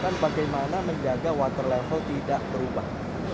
adalah bagaimana menjaga water level tidak terubah